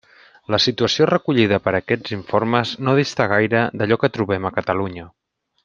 La situació recollida per aquests informes no dista gaire d'allò que trobem a Catalunya.